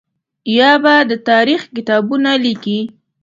یا به د تاریخ کتابونه لیکي.